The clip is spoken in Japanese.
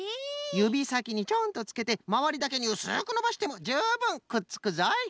ゆびさきにちょんとつけてまわりだけにうすくのばしてもじゅうぶんくっつくぞい！